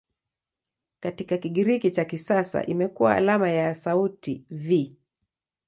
Katika Kigiriki cha kisasa imekuwa alama ya sauti "V".